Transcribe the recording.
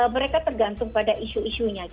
mereka tergantung pada isu isunya